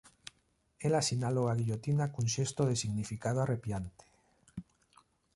Ela sinalou a guillotina cun xesto de significado arrepiante.